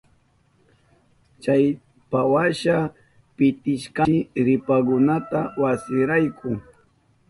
Chaypawasha pitishkanchi ripakunata wasinrayku.